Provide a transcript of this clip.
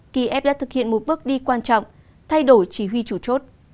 kiev đã thực hiện một bước đi quan trọng thay đổi chỉ huy chủ chốt